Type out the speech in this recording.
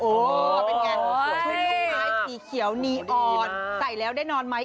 เอานั่นมือไงช่วงซวยน้องไม้สีเขียวนีออนใส่แล้วได้นอนไหม